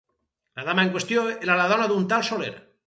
La dama en qüestió era la dona d'un tal Soler.